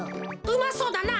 うまそうだな。